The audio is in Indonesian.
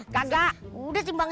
kagak udah simpang